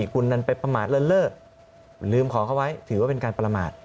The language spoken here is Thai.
คุณนั้นไปประมาทเลิศลืมของเขาไว้ถือว่าเป็นการประมาท